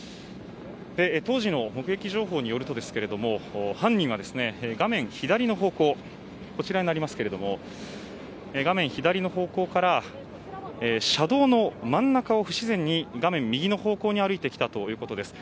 当時の目撃情報によるとこちらになりますが画面左の方向から車道の真ん中を不自然に画面右の方向に歩いてきたということです。